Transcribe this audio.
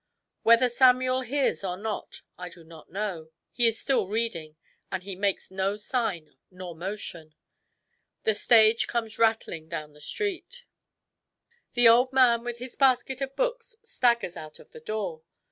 Whether Samuel hears or not, I do not know. He is still reading, and he makes no sign nor motion. The stage comes rattling down the street. The old man with his basket of books staggers out of the door.